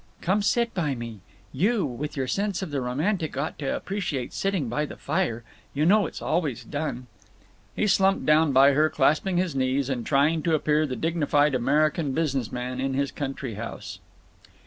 "Come sit by me. You, with your sense of the romantic, ought to appreciate sitting by the fire. You know it's always done." He slumped down by her, clasping his knees and trying to appear the dignified American business man in his country house.